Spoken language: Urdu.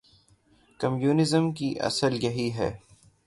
کمیونزم کی اصل یہی ہے۔